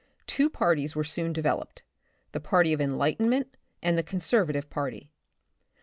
Two parties were soon developed ; the party of enlightment and the conservative party.